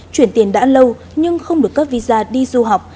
chuyển tiền đã lâu nhưng không được cấp visa đi du học